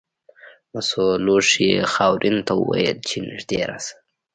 مسو لوښي خاورین ته وویل چې نږدې راشه.